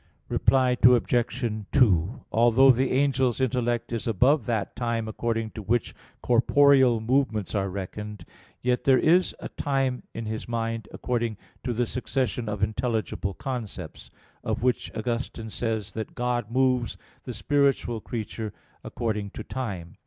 Reply Obj. 2: Although the angel's intellect is above that time according to which corporeal movements are reckoned, yet there is a time in his mind according to the succession of intelligible concepts; of which Augustine says (Gen. ad lit. viii) that "God moves the spiritual creature according to time."